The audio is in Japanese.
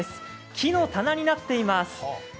木の棚になっています。